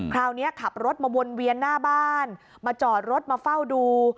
คราวนี้ขับรถมาวนเวียนหน้าบ้านมาจอดรถมาเฝ้าดู